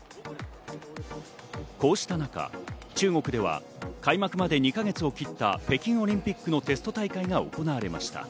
こうした中、中国では開幕まで２か月を切った北京オリンピックのテスト大会が行われました。